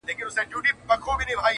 محرابونه به موخپل جومات به خپل وي؛